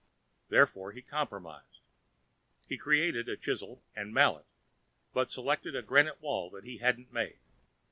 Therefore he compromised. He created a chisel and mallet, but selected a granite wall that he hadn't made.